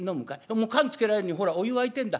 もう燗つけられるようにほらお湯沸いてんだ。